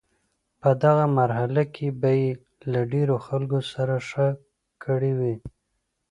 په دغه مرحله کې به یې له ډیرو خلکو سره ښه کړي وي.